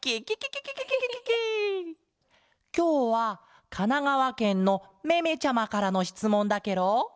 きょうはかながわけんのめめちゃまからのしつもんだケロ。